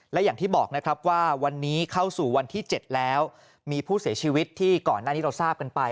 และอย่างที่บอกนะครับว่าวันนี้เข้าสู่วันที่๗แล้วมีผู้เสียชีวิตที่ก่อนหน้านี้เราทราบกันไป